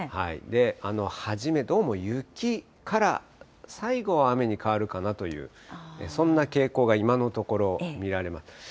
初めどうも雪から最後は雨に変わるかなという、そんな傾向が今のところ見られます。